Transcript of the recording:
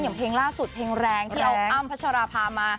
อย่างเพลงล่าสุดเพลงแรงที่เอาอ้ำพัชราภามา